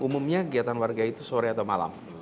umumnya kegiatan warga itu sore atau malam